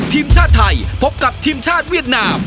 ทีมชาติไทยพบกับทีมชาติเวียดนาม